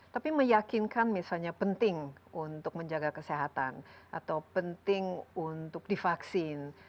tapi meyakinkan misalnya penting untuk menjaga kesehatan atau penting untuk divaksin